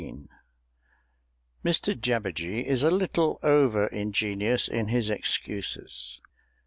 XVIII _Mr Jabberjee is a little over ingenious in his excuses.